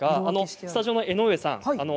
スタジオの江上さん